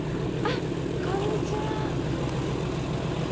あこんにちは。